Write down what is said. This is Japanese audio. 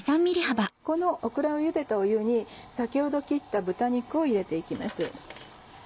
このオクラをゆでた湯に先ほど切った豚肉を入れて行きます。